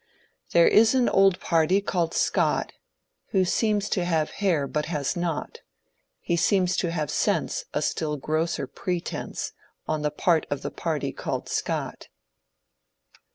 There is an old party called Scott, Who seems to have hair but has not: He seems to have sense — A still grosser pretense On the part of that party called Scott.